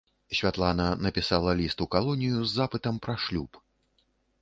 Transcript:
Святлана напісала ліст у калонію з запытам пра шлюб.